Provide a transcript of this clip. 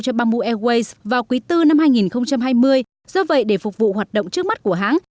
cho bamboo airways vào quý bốn năm hai nghìn hai mươi do vậy để phục vụ hoạt động trước mắt của hãng